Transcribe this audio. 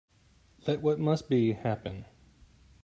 Let what must be, happen.